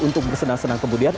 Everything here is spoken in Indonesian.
untuk bersenang senang kemudian